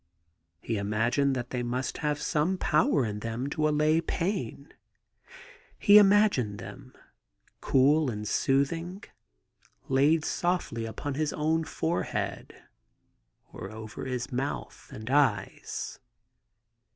He imagined that they must have some power in them to allay pain ; he imagined them, cool and soothing, laid softly upon his own forehead, or over his mouth and eyes.